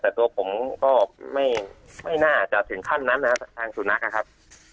แต่ตัวผมก็ไม่น่าจะถึงขั้นนั้นนะครับทางสุนัขนะครับ